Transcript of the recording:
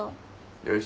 よし。